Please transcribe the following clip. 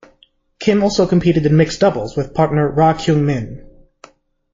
Kim also competed in mixed doubles with partner Ra Kyung-min.